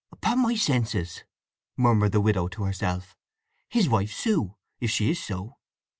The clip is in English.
"Upon my—senses!" murmured the widow to herself. "His wife Sue—if she is so!"